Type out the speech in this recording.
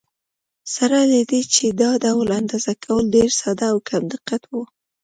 سره له دې چې دا ډول اندازه کول ډېر ساده او کم دقت و.